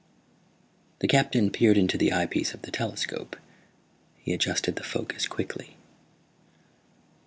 _ The Captain peered into the eyepiece of the telescope. He adjusted the focus quickly.